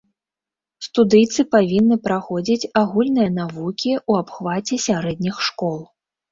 Студыйцы павінны праходзіць агульныя навукі ў абхваце сярэдніх школ.